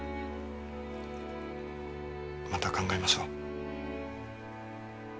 また考えましょう。